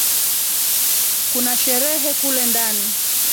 Kuna sherehe kule ndani